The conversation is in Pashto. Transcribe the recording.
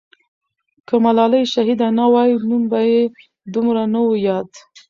که ملالۍ شهیده نه وای، نوم به یې دومره نه وو یاد.